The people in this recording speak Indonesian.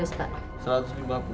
jadi pesanan ibu berapa